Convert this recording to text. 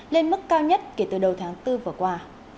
lên mức cao nhất kể từ đầu tháng bốn vừa qua